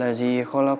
gatung keras tadi